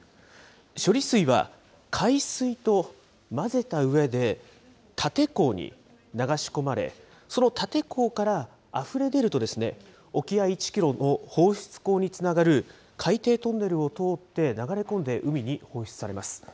処理水は、海水と混ぜたうえで、立て坑に流し込まれ、その立て坑からあふれ出ると、沖合１キロの放出口につながる海底トンネルを通って流れ込んで海に放出されます。